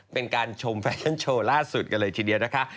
เป็นการชมแฟชั่นโชว์ล่าสุดกันเลยทีเดียวนะคะ